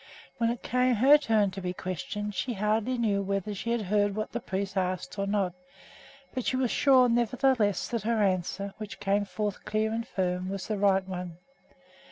When it came her turn to be questioned she hardly knew whether she had heard what the priest asked or not, but she was sure, nevertheless, that her answer, which came forth clear and firm, was the right one.